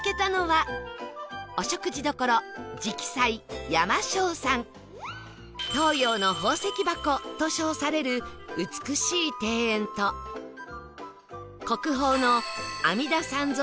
お食事どころ東洋の宝石箱と称される美しい庭園と国宝の阿弥陀三尊